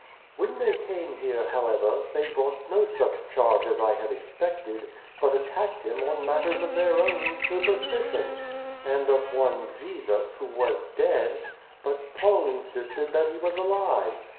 " When they came here, however, they brought no such charge as I had expected, but attacked him on matters of their own superstition; and of one Jesus, who was dead, but Paul insisted that he was alive.